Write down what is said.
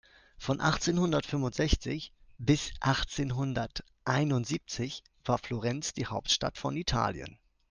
Von achtzehnhundertfünfundsechzig bis achtzehnhunderteinundsiebzig war Florenz die Hauptstadt von Italien.